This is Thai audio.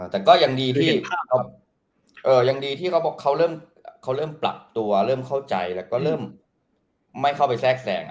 แต่ก็ยังดีที่ยังดีที่เขาเริ่มปรับตัวเริ่มเข้าใจแล้วก็เริ่มไม่เข้าไปแทรกแสง